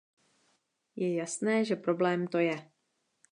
Je jasné, že problém to je.